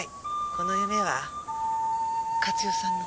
この夢は勝代さんの。